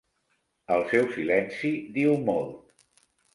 El seu silenci diu molt.